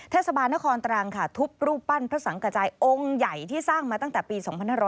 เทศบาลนครตรังค่ะทุบรูปปั้นพระสังกระจายองค์ใหญ่ที่สร้างมาตั้งแต่ปี๒๕๖๐